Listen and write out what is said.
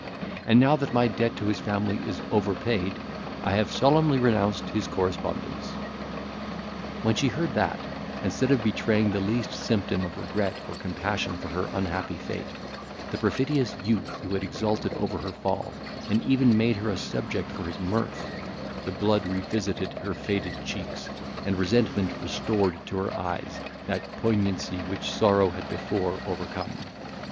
And, now that my debt to his family is over paid, I have solemnly renounced his correspondence." When she heard that, instead of betraying the least symptom of regret or compassion for her unhappy fate, the perfidious youth had exulted over her fall, and even made her a subject for his mirth, the blood revisited her faded cheeks, and resentment restored to her eyes that poignancy which sorrow had before overcome.